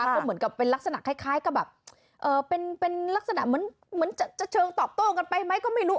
ก็เหมือนกับเป็นลักษณะคล้ายกับแบบเป็นลักษณะเหมือนจะเชิงตอบโต้กันไปไหมก็ไม่รู้